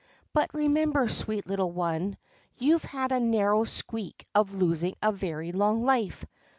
But remember, sweet little one, you Ve had a narrow squeak of losing a very long life.